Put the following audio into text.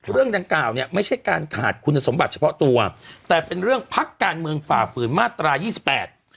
เรื่องดังกล่าวเนี่ยไม่ใช่การขาดคุณสมบัติเฉพาะตัวแต่เป็นเรื่องพักการเมืองฝ่าฝืนมาตรายี่สิบแปด